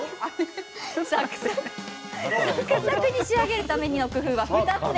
サクサクに仕上げるための工夫は２つ。